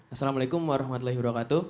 assalamualaikum warahmatullahi wabarakatuh